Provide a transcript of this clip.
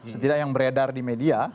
setidaknya yang beredar di media